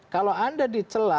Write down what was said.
kalau anda dicela